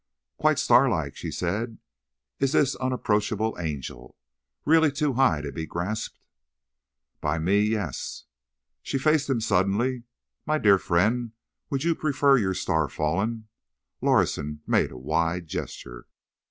"Quite starlike," she said, "is this unapproachable angel. Really too high to be grasped." "By me, yes." She faced him suddenly. "My dear friend, would you prefer your star fallen?" Lorison made a wide gesture.